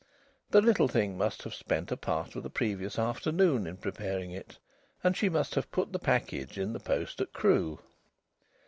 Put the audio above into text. The little thing must have spent a part of the previous afternoon in preparing it, and she must have put the package in the post at Crewe.